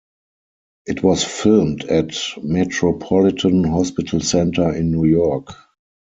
It was filmed at Metropolitan Hospital Center in New York.